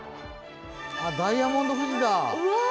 ダイヤモンド富士だ！